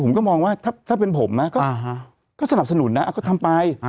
ผมก็มองว่าถ้าเป็นผมนะก็สนับสนุนนะก็ทำไป